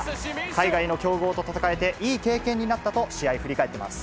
海外の強豪と戦えていい経験になったと、試合、振り返っています。